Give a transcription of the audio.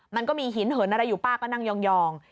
มันก็มีหินเหินอะไรอยู่ป้าก็นั่งยอง